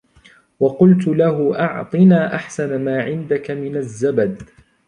وقلت له أعطنا أحسن ما عندك من الزبد